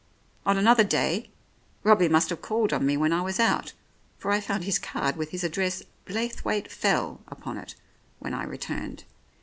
On another day, Robbie must have called on me when I was out, for I found his card with his address, "Blaythwaite Fell," upon it, when I returned.